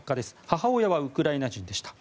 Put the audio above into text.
母親はウクライナ人でした。